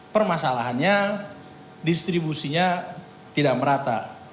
permasalahannya distribusinya tidak merata